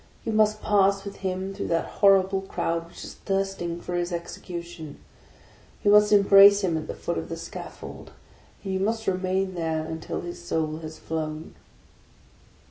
You must pass with him through that hor rible crowd which is thirsting for his execution; you must embrace him at the foot of the scaffold, and you must remain there until his soul has flown!